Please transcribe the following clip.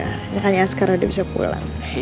tidak hanya askar udah bisa pulang